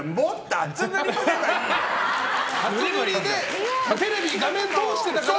厚塗りでテレビ、画面通してだから。